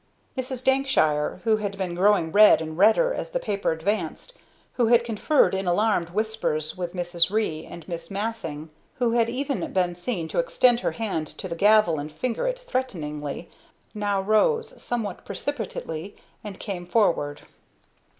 Mrs. Dankshire, who had been growing red and redder as the paper advanced, who had conferred in alarmed whispers with Mrs. Ree, and Miss Massing, who had even been seen to extend her hand to the gavel and finger it threateningly, now rose, somewhat precipitately, and came forward.